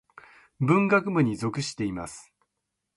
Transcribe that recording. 文学部に属しています。